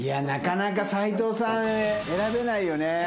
なかなか斉藤さん選べないよね。